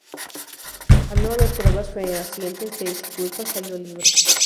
Al no haber pruebas fehacientes de su culpa, salió libre.